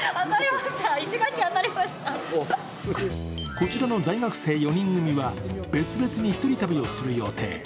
こちらの大学生４人組は別々に一人旅をする予定。